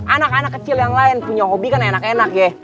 anak anak kecil yang lain punya hobi kan enak enak ya